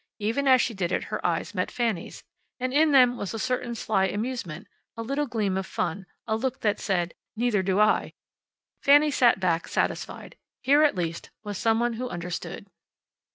Even as she did it her eyes met Fanny's, and in them was a certain sly amusement, a little gleam of fun, a look that said, "Neither do I." Fanny sat back, satisfied. Here, at least, was some one who understood.